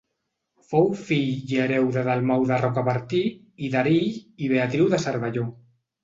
Fou fill i hereu de Dalmau de Rocabertí i d'Erill i Beatriu de Cervelló.